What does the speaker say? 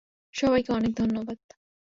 সবাইকে অনেক ধন্যবাদ।